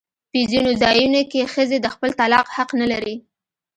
په ځینو ځایونو کې ښځې د خپل طلاق حق نه لري.